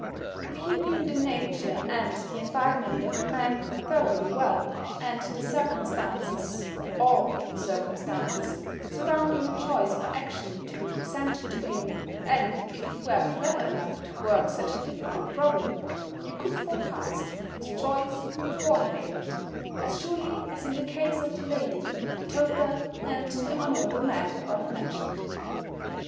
If you knew the nature and the environment of a man thoroughly well, and the circumstances (all the circumstances) surrounding a choice of action to be presented to him, and if you were clever enough to work such a difficult problem, you could forecast his choice before he made it, as surely as in the case of the lady, the toper, and the honourable man above mentioned.